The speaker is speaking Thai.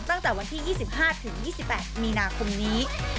ตั้งแต่วันที่๒๕๒๘มีนาคมนี้